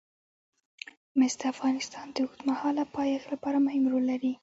مس د افغانستان د اوږدمهاله پایښت لپاره مهم رول لري.